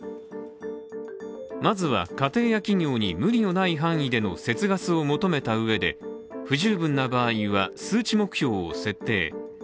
まずは、家庭や企業に無理のない範囲での節ガスを求めたうえで不十分な場合は、数値目標を設定。